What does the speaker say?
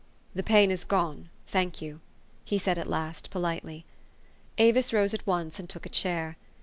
" The pain is gone, thank you," he said at last politely. Avis rose at once, and took a chair.